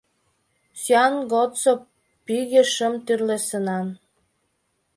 Сӱан годсо пӱгӧ шым тӱрлӧ сынан.